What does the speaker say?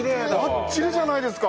バッチリじゃないですか！